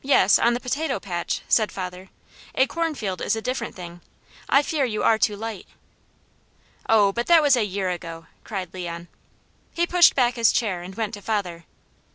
"Yes, on the potato patch," said father. "A cornfield is a different thing. I fear you are too light." "Oh but that was a year ago!" cried Leon. He pushed back his chair and went to father.